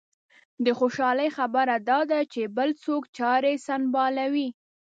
د خوشالۍ خبره دا ده چې بل څوک چارې سنبالوي.